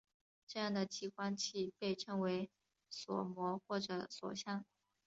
这样的激光器被称为锁模或者锁相。